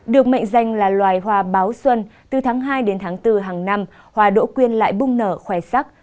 được mệnh danh là loài hoa báo xuân từ tháng hai đến tháng bốn hàng năm hòa đỗ quyên lại bung nở khoe sắc